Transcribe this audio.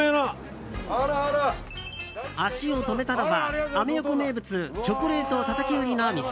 足を止めたのは、アメ横名物チョコレートたたき売りの店。